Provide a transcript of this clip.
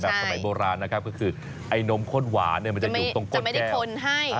ใช่แบบสมัยโบราณนะครับก็คือไอ้นมข้นหวานเนี้ยมันจะอยู่ตรงกดแก้วจะไม่ได้คนให้